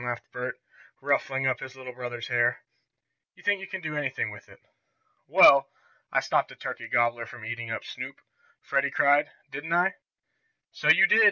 laughed Bert, ruffling up his little brother's hair. "You think you can do anything with it." "Well, I stopped the turkey gobbler from eating up Snoop," Freddie cried. "Didn't I?" "So you did!"